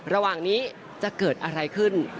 ระหว่างนี้จะเกิดอะไรขึ้น